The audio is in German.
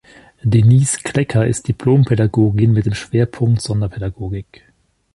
Denise Klecker ist Diplom-Pädagogin mit dem Schwerpunkt Sonderpädagogik.